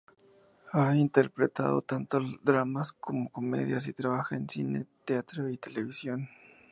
Ha interpretado tanto dramas como comedias, y trabaja en cine, teatro y televisión.